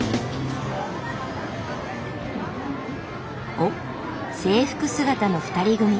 おっ制服姿の２人組。